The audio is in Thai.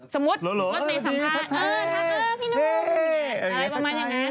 สมมติพี่พัดเท่าไหร่พี่นุ้มอย่างนี้ประมาณอย่างนั้น